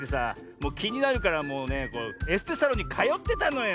もうきになるからもうねエステサロンにかよってたのよ。